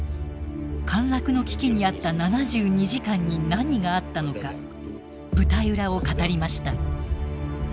陥落の危機にあった７２時間に何があったのか舞台裏を語りました。